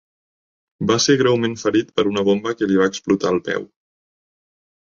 Va ser greument ferit per una bomba que li va explotar al peu.